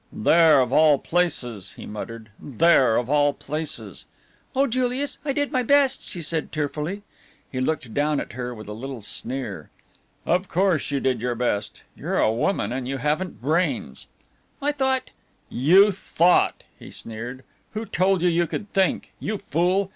"There, of all places!" he muttered; "there, of all places!" "Oh, Julius, I did my best," she said tearfully. He looked down at her with a little sneer. "Of course you did your best. You're a woman and you haven't brains." "I thought " "You thought!" he sneered. "Who told you you could think? You fool!